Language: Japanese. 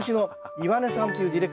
岩根さん